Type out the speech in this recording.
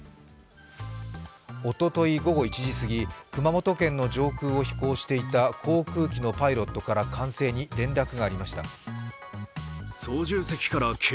おととい午後１時過ぎ熊本県の上空を飛行していた航空機のパイロットから管制に連絡がありました。